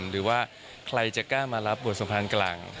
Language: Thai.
หรือว่าใครจะกล้ามารับบทสะพานกลาง